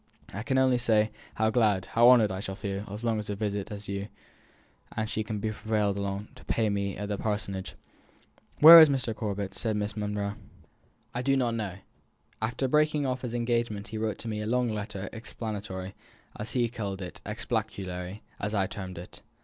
I can only say how glad, how honoured, I shall feel by as long a visit as you and she can be prevailed upon to pay me at the Parsonage." "Where is Mr. Corbet?" said Miss Monro. "I do not know. After breaking off his engagement he wrote me a long letter, explanatory, as he called it; exculpatory, as I termed it.